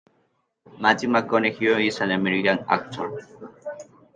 Matthew McConaughey is an American actor.